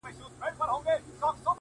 خپل د لاس څخه اشـــنــــــا’